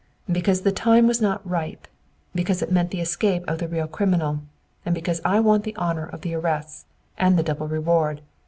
"Because the time was not ripe; because it meant the escape of the real criminal; and because I want the honor of the arrests, and the double reward.